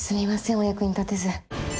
お役に立てず。